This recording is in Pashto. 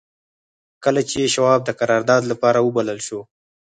کله چې شواب د قرارداد لپاره وبلل شو.